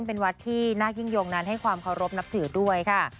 เป็นวัดที่นาคยิ่งยงนั้นให้ความเคารพนับถือด้วยค่ะ